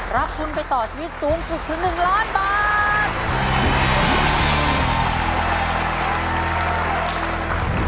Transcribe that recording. รับทุนไปต่อชีวิตสูงถึงหนึ่งล้านบาท